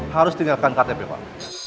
harus tinggalkan ktp pak